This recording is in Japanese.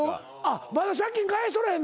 まだ借金返しとらへんの？